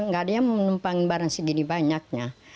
nggak ada yang menumpang barang sendiri banyaknya